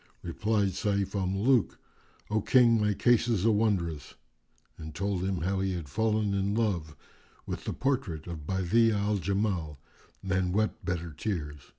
Replied Sayf al Muluk, "O King, my case is a wondrous," and told him how he had fallen in love with the portrait of Badi'a al Jamal, and wept bitter tears.